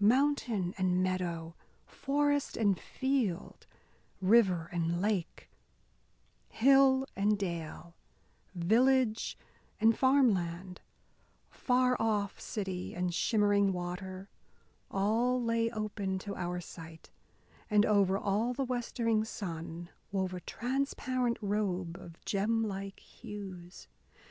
Mountain and meadow, forest and field, river and lake, hill and dale, village and farmland, far off city and shimmering water all lay open to our sight, and over all the westering sun wove a transparent robe of gem like hues.